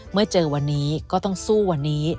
เมื่อเจอวันนี้ก็ต้องสู้วันนี้